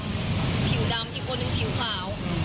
พูดไทยชัดไม่แน่ใจว่าเป็นคนไทยหรือว่าต่างดาวหรือว่าเด็กจรจักร